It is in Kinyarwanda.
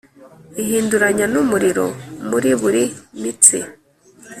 ihinduranya n'umuriro muri buri mitsi